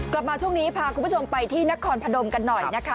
กลับมาช่วงนี้พาคุณผู้ชมไปที่นครพนมกันหน่อยนะคะ